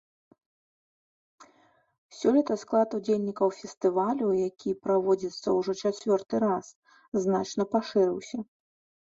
Сёлета склад удзельнікаў фестывалю, які праводзіцца ўжо чацвёрты раз, значна пашырыўся.